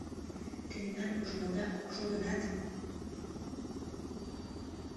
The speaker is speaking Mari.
Тендан ужмыда ок шу гынат